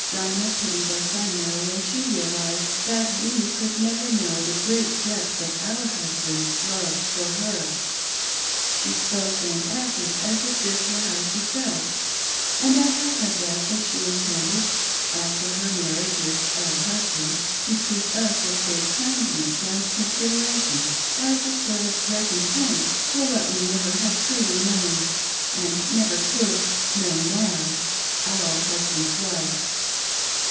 Zina pitied us, I know, when she realised that we could never know the great depth of our husband's love for her. She spoke and acted as if this were how she felt ; and I have no doubt that she intended, after her marriage with our husband, to treat us with great kindness and consideraition, as a sort of "reconiperise for what we never had truly known, and never could know now— our husband's love!